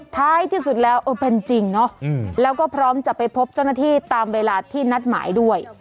ท้ายที่สุดแล้วเออเป็นจริงเนาะแล้วก็พร้อมจะไปพบเจ้าหน้าที่ตามเวลาที่นัดหมายด้วย